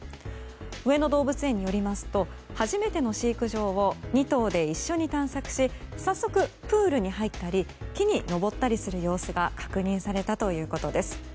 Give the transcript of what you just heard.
上野動物園によりますと初めての飼育場を２頭で一緒に探索し早速プールに入ったり木に登ったりする様子が確認されたということです。